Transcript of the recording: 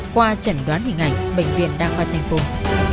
qua trận đoán hình ảnh bệnh viện đa khoa sành cung